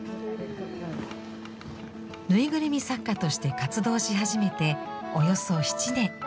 ぬいぐるみ作家として活動し始めておよそ７年。